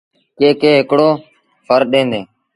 ڪي ڪي هڪڙو ڦر ڏيݩ ديٚݩ۔